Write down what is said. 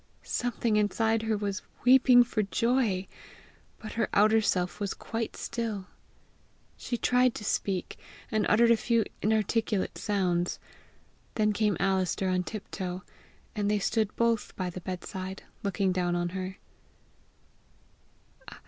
Something inside her was weeping for joy, but her outer self was quite still. She tried again to speak, and uttered a few inarticulate sounds. Then came Alister on tip toe, and they stood both by the bedside, looking down on her.